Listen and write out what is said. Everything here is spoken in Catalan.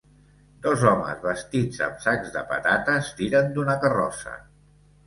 Dos homes vestits amb sacs de patates tiren d'una carrossa